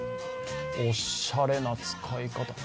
おしゃれな使い方。